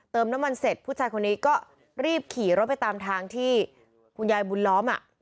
น้ำมันเสร็จผู้ชายคนนี้ก็รีบขี่รถไปตามทางที่คุณยายบุญล้อมอ่ะ